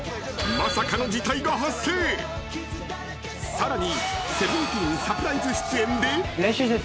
［さらに］